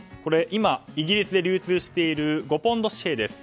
今、イギリスで流通している５ポンド紙幣です。